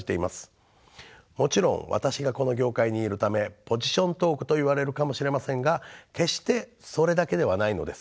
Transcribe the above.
もちろん私がこの業界にいるためポジショントークといわれるかもしれませんが決してそれだけではないのです。